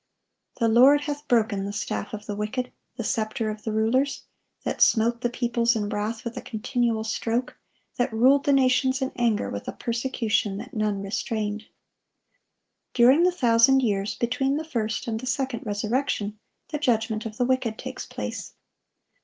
The Lord hath broken the staff of the wicked, the scepter of the rulers; that smote the peoples in wrath with a continual stroke, that ruled the nations in anger, with a persecution that none restrained."(1148) During the thousand years between the first and the second resurrection, the judgment of the wicked takes place.